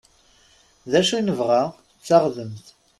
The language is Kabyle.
Dacu i nebɣa? D taɣdemt!